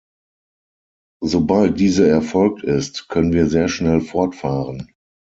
Sobald diese erfolgt ist, können wir sehr schnell fortfahren.